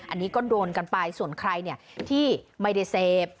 อันนี้ก็โดนกันไปส่วนใครที่ไม่ได้เสพ